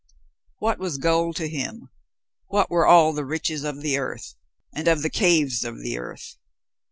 What was gold to him? What were all the riches of the earth and of the caves of the earth?